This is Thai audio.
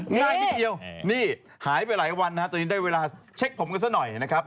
ง่ายนิดเดียวนี่หายไปหลายวันนะฮะตอนนี้ได้เวลาเช็คผมกันซะหน่อยนะครับ